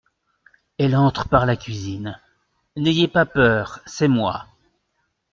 (Elle entre par la cuisine.) N'ayez pas peur, c'est moi.